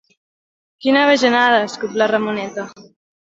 Quina bajanada! –escup la Ramoneta–.